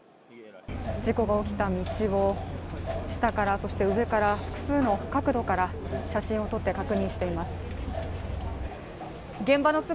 事故が起きた道を下から、そして上から複数の角度から写真を撮って確認しています。